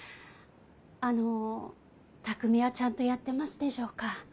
あの匠はちゃんとやってますでしょうか？